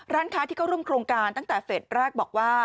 ร้านค้าที่เข้าร่วมโครงการตั้งแต่เฟสแรกบอกว่า